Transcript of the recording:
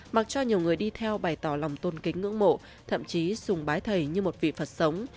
mặc cho nhiều người đi theo bày tỏ lòng tôn kính ngưỡng mộ thậm chí sùng bái thầy như một vị phật sống